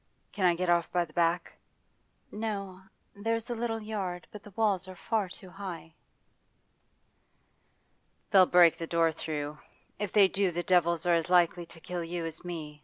'Can I get off by the back?' 'No. There's a little yard, but the walls are far too high.' 'They'll break the door through. If they do, the devils are as likely to kill you as me.